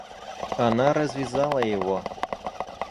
Она развязала его.